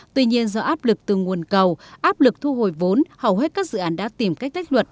tuy nhiên do áp lực từ nguồn cầu áp lực thu hồi vốn hầu hết các dự án đã tìm cách tách luật